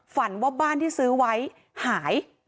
ฝันว่าบ้านที่ซื้อไว้หาย